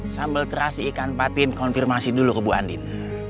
sambal terasi ikan patin konfirmasi dulu ke bu andin